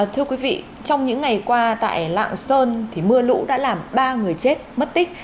thưa quý vị trong những ngày qua tại lạng sơn thì mưa lũ đã làm ba người chết mất tích